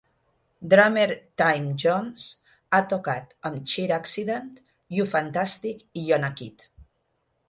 Drummer Thymme Jones ha tocat amb Cheer-Accident, You Fantastic! i Yona-Kit.